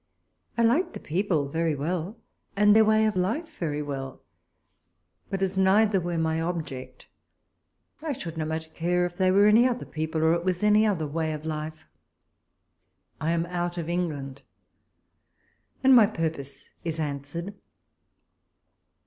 I like the people very well, and their way of life very well ; but as neither were my object, I should not much care if thej' were any other people, or it was any other way of life. I am out of England, and my purpose is answered.